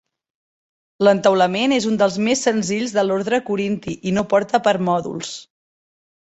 L'entaulament és un dels més senzills de l'ordre corinti i no porta permòdols.